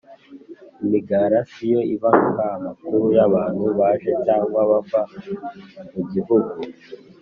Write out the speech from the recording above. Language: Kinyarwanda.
Imigarasiyo ibika amakuru y’abantu baje cyangwa bava mu gihugu